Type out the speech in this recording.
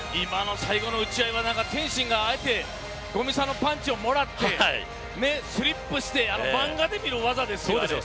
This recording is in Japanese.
最後の打ち合いは、天心があえて五味さんのパンチをもらってスリップして漫画で見る技ですよね。